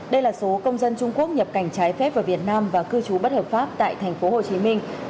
đây là số công dân trung quốc nhập cảnh trái phép vào việt nam và cư trú bất hợp pháp tại thành phố hồ chí minh